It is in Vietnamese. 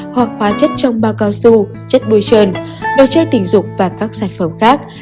hoặc hóa chất trong bao cao su chất bôi trơn đồ chơi tình dục và các sản phẩm khác